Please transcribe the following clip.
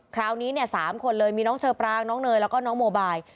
คราวนี้เนี่ย๓คนเลยมีน้องเชอปรางน้องเนยแล้วก็น้องโมบาย